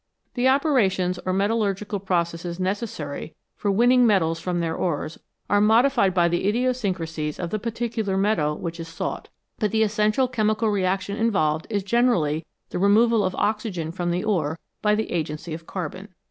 The operations or metallurgical processes necessary for winning metals from their ores are modified by the idiosyncrasies of the particular metal which is sought, but the essential chemical reaction involved is generally the removal of oxygen from the ore by the agency of carbon.